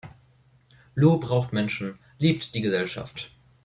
Lu braucht Menschen, liebt die Gesellschaft.